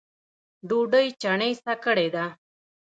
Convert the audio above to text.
ډوډۍ چڼېسه کړې ده